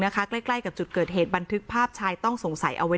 ใกล้กับจุดเกิดเหตุบันทึกภาพชายต้องสงสัยเอาไว้